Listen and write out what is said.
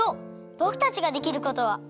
ぼくたちができることは。